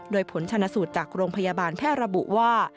โดยผลชนสูตรจากโรงพยาบาลแพทย์ระบุว่า